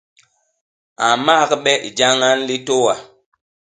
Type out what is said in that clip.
A mmagbe i jañañ litôa.